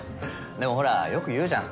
でもほらよくいうじゃん。